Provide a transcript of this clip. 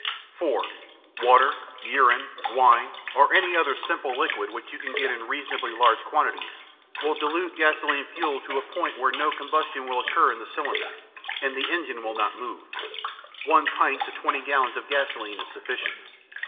(4) Water, urine, wine, or any other simple liquid you can get in reasonably large quantities will dilute gasoline fuel to a point where no combustion will occur in the cylinder and the engine will not move. One pint to 20 gallons of gasoline is sufficient.